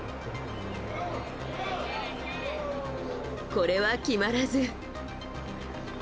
これは決まらず。